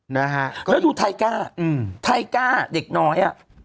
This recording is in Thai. แล้วดูไทก้าไทก้าเด็กน้อย